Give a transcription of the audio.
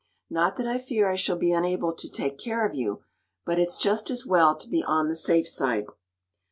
Not that I fear I shall be unable to take care of you, but it's just as well to be on the safe side."